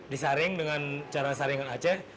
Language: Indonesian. disaring dengan cara saringan aceh